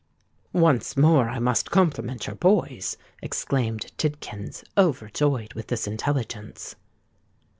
"Once more I must compliment your boys," exclaimed Tidkins, overjoyed with this intelligence.